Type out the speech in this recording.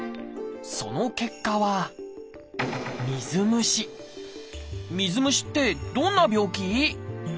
その結果は水虫ってどんな病気？